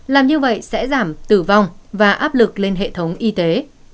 làm như vậy sẽ giảm tử vong và áp lực lên hệ thống y tế